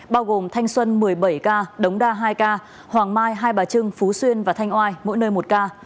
bao gồm thanh xuân một mươi bảy ca đống đa hai ca hoàng mai hai bà trưng phú xuyên và thanh oai mỗi nơi một ca